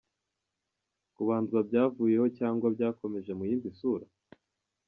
Kubandwa byavuyeho cyangwa byakomeje mu yindi sura?.